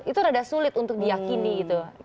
itu agak sulit untuk diyakini gitu